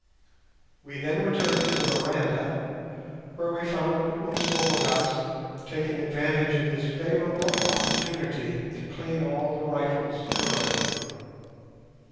We then returned to the veranda, where we found Umslopogaas taking advantage of this favourable opportunity to clean all the rifles thoroughly.